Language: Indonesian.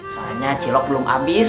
soalnya cilok belum abis